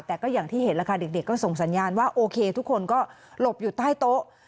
แต่ก็อย่างที่เห็นแล้วค่ะเด็กก็ส่งสัญญาณว่าโอเคทุกคนก็หลบอยู่ใต้โต๊ะ